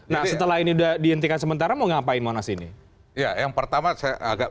nah setelah ini udah dihentikan sementara mau ngapain monas ini ya yang pertama saya agak